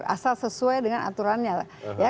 asal sesuai dengan aturannya